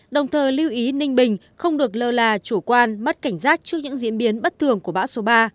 đồng thời lưu ý ninh bình không được lơ là chủ quan mất cảnh giác trước những diễn biến bất thường của bão số ba